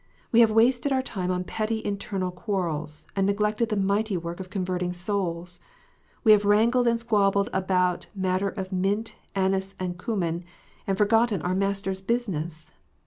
We have wasted our time on petty internal quarrels, and neglected the mighty work of converting souls. We have wrangled and squabbled about matter of mint, anise, and cummin, and for gotten our Master s business.